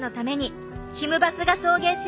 バスが送迎します。